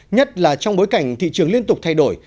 nhất là trong bối cảnh thị trường liên tục thay đổi